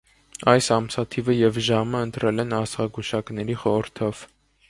Այս ամսաթիվը և ժամը ընտրել են աստղագուշակների խորհրդով։